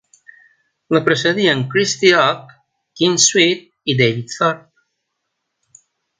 La precedien Kristy Ogg, Kim Sweet i David Thorp.